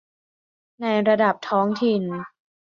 ในระดับท้องถิ่น